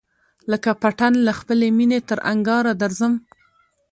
لکه پتڼ له خپلی مېني تر انگاره درځم